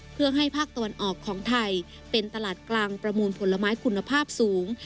เพื่อให้ภาคตะวันออกของไทยเป็นตลาดกลางประมูลผลไม้คุณภาพสูง